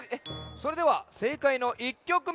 それではせいかいの１きょくめ。